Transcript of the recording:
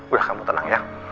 udah kamu tenang ya